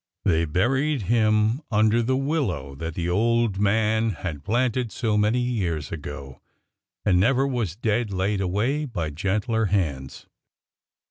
They buried him under the willow that the old man had planted so many years ago,— and never was dead laid away by gentler hands.